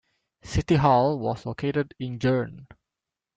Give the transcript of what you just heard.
City hall was located in Joure.